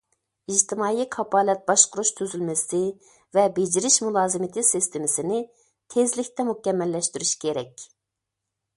ئىجتىمائىي كاپالەت باشقۇرۇش تۈزۈلمىسى ۋە بېجىرىش مۇلازىمىتى سىستېمىسىنى تېزلىكتە مۇكەممەللەشتۈرۈش كېرەك.